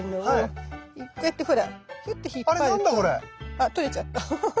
あっ取れちゃった。